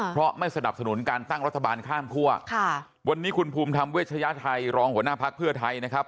เพราะไม่สนับสนุนการตั้งรัฐบาลข้ามคั่วค่ะวันนี้คุณภูมิธรรมเวชยไทยรองหัวหน้าพักเพื่อไทยนะครับ